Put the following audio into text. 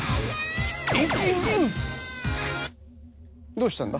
どうしたんだ？